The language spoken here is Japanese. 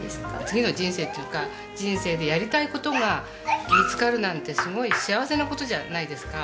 次の人生というか人生でやりたい事が見つかるなんてすごい幸せな事じゃないですか。